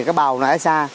cái bầu nó ở xa